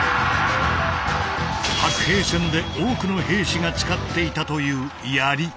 白兵戦で多くの兵士が使っていたという槍。